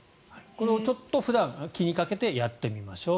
ちょっと普段気にかけてやってみましょう。